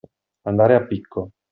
Andare a picco.